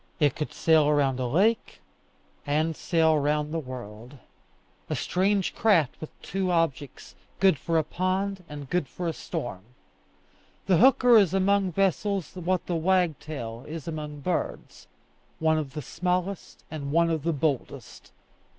It could sail round a lake, and sail round the world a strange craft with two objects, good for a pond and good for a storm. The hooker is among vessels what the wagtail is among birds one of the smallest and one of the boldest.